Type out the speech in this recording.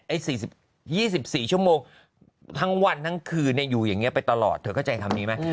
ไอ้๑๔๒๔ชั่วโมงทั้งวันทั้งคืนให้อยู่อย่างงี้ไปตลอดเธอก็ใจทำ